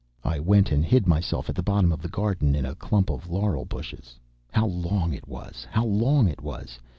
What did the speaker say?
I went and hid myself at the bottom of the garden in a clump of laurel bushes. How long it was! how long it was!